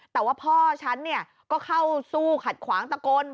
แต่ว่าพ่อฉันก็เข้าสู้ขัดขวางตะโกน